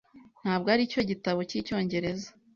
Ntabwo aricyo gitabo cyicyongereza?